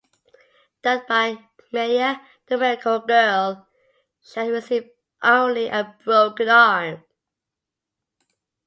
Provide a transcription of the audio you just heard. Dubbed by media the "miracle girl", she had received only a broken arm.